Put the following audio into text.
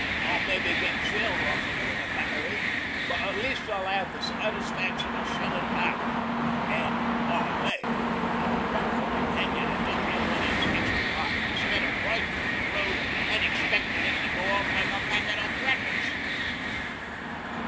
I'll mebbe get shelled oftener in a battery, but at least I'll 'ave the satisfaction o' shellin' back an' I may 'ave a funk hole handy to duck in when it's extry hot, instead o' ridin' on the road an' expectin' to go off like a packet 'o crackers."